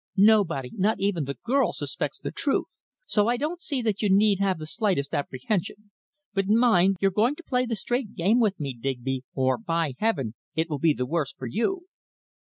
Nobody not even the girl suspects the truth. So I don't see that you need have the slightest apprehension. But mind, you're going to play the straight game with me, Digby, or, by heaven! it will be the worse for you!'"